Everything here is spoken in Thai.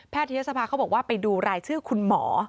ทยศภาเขาบอกว่าไปดูรายชื่อคุณหมอ